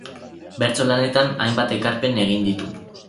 Bertso lanetan hainbat ekarpen egin ditu.